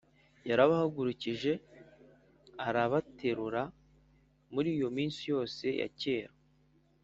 yarabahagurukije, arabaterura muri iyo iminsi yose ya kera.